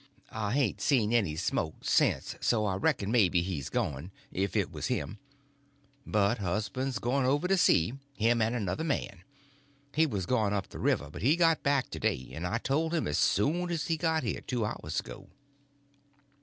I hain't seen any smoke sence, so I reckon maybe he's gone, if it was him; but husband's going over to see—him and another man. He was gone up the river; but he got back to day, and I told him as soon as he got here two hours ago."